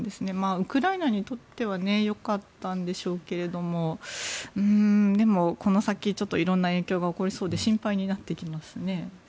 ウクライナにとってはよかったんでしょうけれどもでも、この先色んな影響が起こりそうで心配になってきますね。